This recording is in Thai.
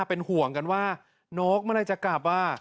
เป็นห่วงกันว่านกมายลายจะกลับ